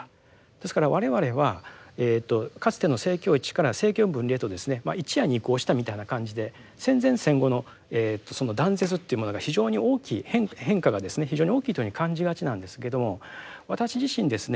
ですから我々はかつての政教一致から政教分離へとですね一夜に移行したみたいな感じで戦前戦後の断絶っていうものが非常に大きい変化がですね非常に大きいというふうに感じがちなんですけども私自身ですね